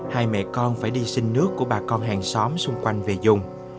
hai mẹ con phải đi sinh nước của bà con hàng xóm xung quanh về dùng